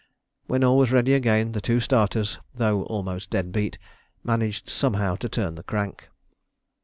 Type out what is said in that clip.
When all was ready again, the two starters, though almost dead beat, managed somehow to turn the crank.